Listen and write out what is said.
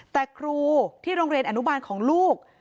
แต่ครูที่โรงเรียนอนุบาลของลูก